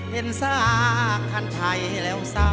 เห็นสระขันไทยแล้วเศร้า